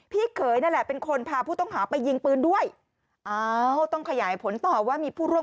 เขยนั่นแหละเป็นคนพาผู้ต้องหาไปยิงปืนด้วยอ้าวต้องขยายผลต่อว่ามีผู้ร่วม